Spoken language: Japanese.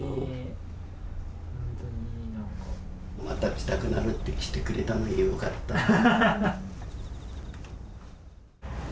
また来たくなるって来てくれたのよかった。